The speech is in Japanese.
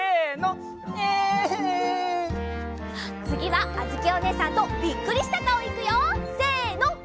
つぎはあづきおねえさんとびっくりしたかおいくよせの！